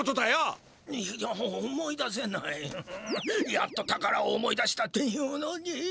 やっと宝を思い出したっていうのに。